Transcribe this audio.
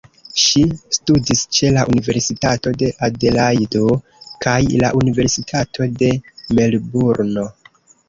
Ŝi studis ĉe la universitato de Adelajdo kaj la universitato de Melburno.